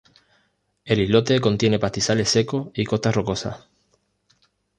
El islote contiene pastizales secos y costas rocosas.